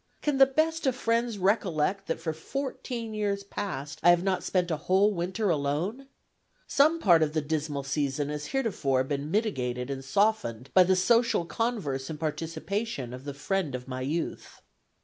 "Can the best of friends recollect that for fourteen years past I have not spent a whole winter alone? Some part of the dismal season has heretofore been mitigated and softened by the social converse and participation of the friend of my youth.